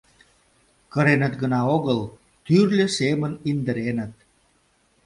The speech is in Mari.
Кыреныт гына огыл, тӱрлӧ семын индыреныт.